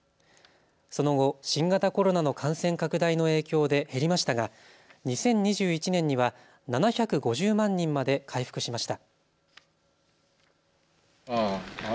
その後、新型コロナの感染拡大の影響で減りましたが２０２１年には７５０万人まで回復しました。